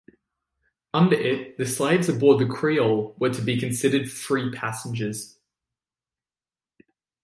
Under it, the 'slaves' aboard the "Creole" were to be considered free passengers.